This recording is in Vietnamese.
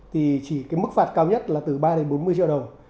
thì chỉ cái mức phạt cao nhất là từ ba đến bốn mươi triệu đồng